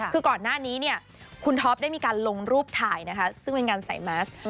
คือก่อนหน้านี้คุณท็อปได้มีการลงรูปถ่ายซึ่งเป็นการใส่มาสก์